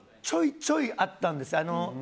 ちょいちょいあったんです。